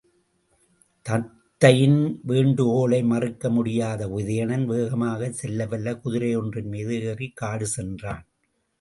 தத்தையின் வேண்டுகோளை மறுக்க முடியாத உதயணன், வேகமாகச் செல்லவல்ல குதிரை ஒன்றின்மீது ஏறிக் காடு சென்றான்.